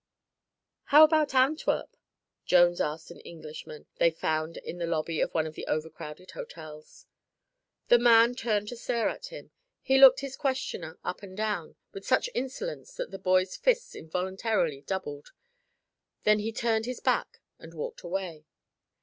"How about Antwerp?" Jones asked an Englishman they found in the lobby of one of the overcrowded hotels. The man turned to stare at him; he looked his questioner up and down with such insolence that the boy's fists involuntarily doubled; then he turned his back and walked away.